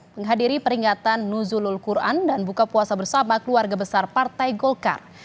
menghadiri peringatan nuzulul quran dan buka puasa bersama keluarga besar partai golkar